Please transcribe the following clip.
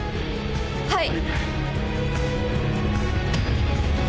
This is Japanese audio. はい！